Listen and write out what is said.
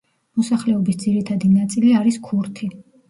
მოსახლეობის ძირითადი ნაწილი არის ქურთი.